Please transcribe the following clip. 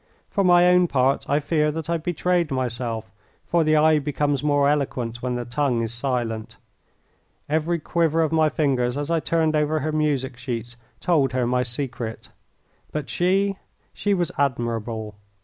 For my own part I fear that I betrayed myself, for the eye becomes more eloquent when the tongue is silent. Every quiver of my fingers as I turned over her music sheets told her my secret. But she she was admirable.